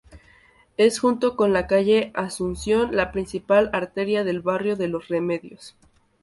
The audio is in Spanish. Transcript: Es, junto con la calle Asunción, la principal arteria del barrio de Los Remedios.